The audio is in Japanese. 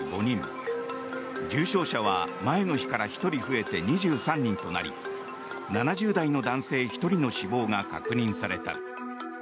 重症者は前の日から１人増えて２３人となり７０代の男性１人の死亡が確認された。